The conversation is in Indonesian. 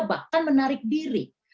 bahkan menarik diri